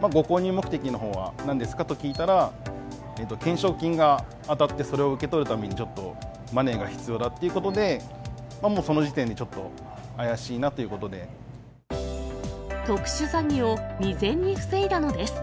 ご購入目的のほうは何ですかと聞いたら、懸賞金が当たって、それを受け取るために、ちょっとマネーが必要だっていうことで、もうその時点で、ちょっ特殊詐欺を未然に防いだのです。